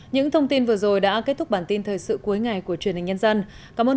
những thông tin vừa rồi đã kết thúc bản tin thời sự cuối ngày của truyền hình nhân dân